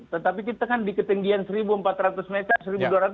tetapi kita kan di ketinggian seribu empat ratus meter